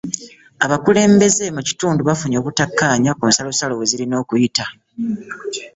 Abakulembeze mu kitundu bafunye obutakkaanya ku nsalosalo wezirina okuyita